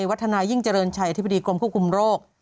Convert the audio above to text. วัฒนายิ่งเจริญชัยอธิบดีกรมควบคุมโรค